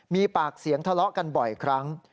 มีปากเสียงทะเลาะกันบ่อยครั้ง